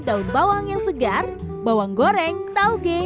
daun bawang yang segar bawang goreng tauge